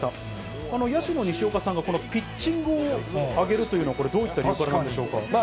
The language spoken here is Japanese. この野手の西岡さんがピッチングをあげるというのは、どういった理由からなんでしょうか。